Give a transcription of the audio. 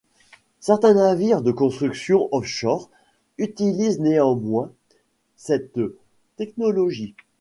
Certains navires de construction offshore utilisent néanmoins cette technologie.